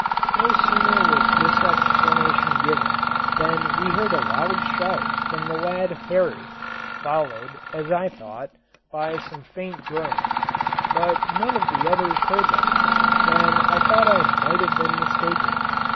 No sooner was this explanation given than we heard a loud shout from the lad Horry, followed, as I thought, by some faint groans; but none of the others heard them, and I thought I might have been mistaken.